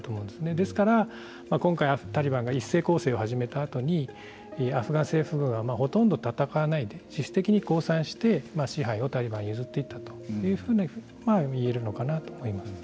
ですから今回タリバンが一斉攻勢を始めたあとにアフガン政府がほとんど戦わないで自主的に降参して支配をタリバンに譲っていったというふうには言えるのかなと思います。